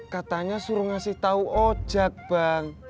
katanya suruh ngasih tau ojak bang